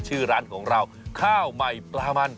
ชื่อร้านของเราข้าวใหม่ปลามัน